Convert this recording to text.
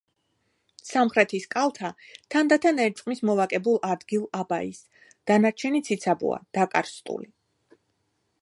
სამხრეთი კალთა თანდათან ერწყმის მოვაკებულ ადგილ აბაის, დანარჩენი ციცაბოა, დაკარსტული.